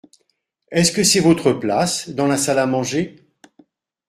Est-ce que c’est votre place dans la salle à manger ?